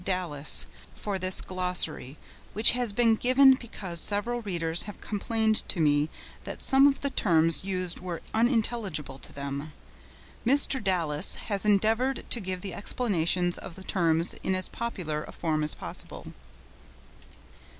Dallas for this Glossary, which has been given because several readers have complained to me that some of the terms used were unintelligible to them. Mr. Dallas has endeavoured to give the explanations of the terms in as popular a form as possible.